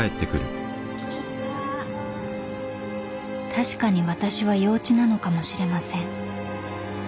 ［確かに私は幼稚なのかもしれません］